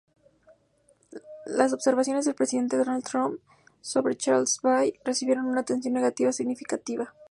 Las observaciones del presidente Donald Trump sobre Charlottesville recibieron una atención negativa significativa.